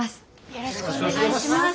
よろしくお願いします。